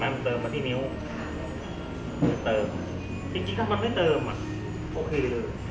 มันประกอบกันแต่ว่าอย่างนี้แห่งที่